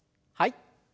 はい。